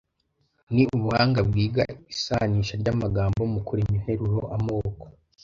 Ni ubuhanga bwiga isanisha ry’amagambo mu kurema interuro, amoko,